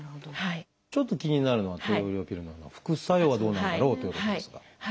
ちょっと気になるのは低用量ピルの副作用はどうなんだろうということですが。